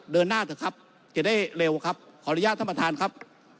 เดินหน้าเถอะครับจะได้เร็วครับขออนุญาตท่านประธานครับ